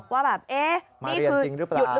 ว่าแบบเอ๊ะนี่คือหยุดหรือเปล่า